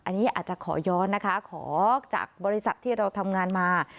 อันนี้อาจจะขอย้อนนะคะขอจากบริษัทที่เราทำงานมา